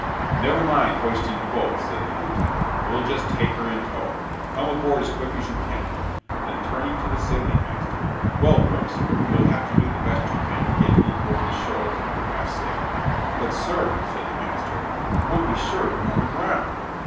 "Never mind hoisting the boat," said the lieutenant; "we'll just take her in tow. Come aboard as quick as you can." Then, turning to the sailing master, "Well, Brookes, you'll have to do the best you can to get in over the shoals under half sail." "But, sir," said the master, "we'll be sure to run aground."